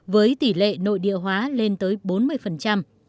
với tỷ lệ nội địa hóa lên tới bốn triệu đồng